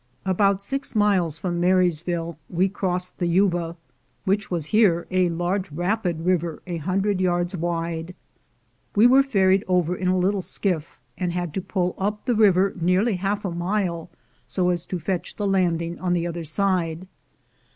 About six miles from Marysville we crossed the Yuba, which was here a large rapid river a hundred yards wide. We were ferried over in a little skiff, and had to pull up the river nearly half a mile, so as to fetch the landing on the other side.